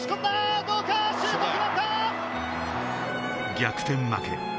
逆転負け。